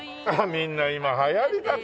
みんな今流行りだから。